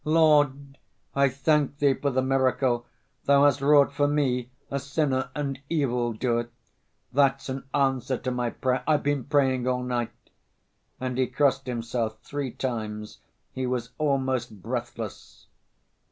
"Lord, I thank Thee for the miracle Thou has wrought for me, a sinner and evildoer. That's an answer to my prayer. I've been praying all night." And he crossed himself three times. He was almost breathless.